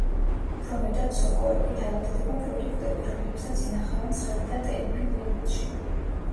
უფრო მეტად სოკოებით ავადდება პროდუქტები, რომლებსაც ინახავენ ცხელ და ტენიან კლიმატში.